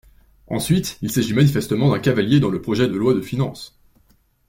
Ensuite, il s’agit manifestement d’un cavalier dans le projet de loi de finances.